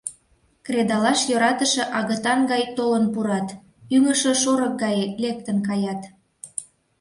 Кредалаш йӧратыше агытан гай толын пурат, ӱҥышӧ шорык гае лектын каят.